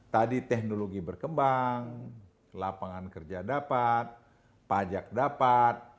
tadi teknologi berkembang lapangan kerja dapat pajak dapat